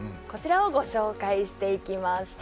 こちらをご紹介していきます。